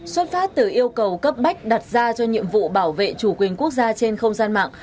xuất phát từ yêu cầu cấp bách đặt ra cho nhiệm vụ bảo vệ chủ quyền quốc gia trên không gian mạng